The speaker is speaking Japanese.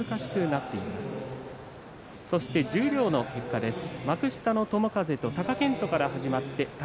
続いて、十両の結果です。